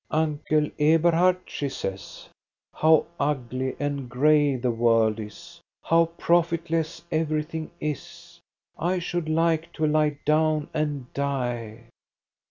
" Uncle Eberhard," she says, " how ugly and gray the world is ; how profitless everything is ! I should like to lie down and die."